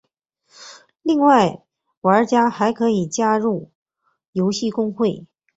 另外玩家还可以加入游戏公会。